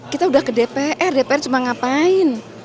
kita udah ke dpr dpr cuma ngapain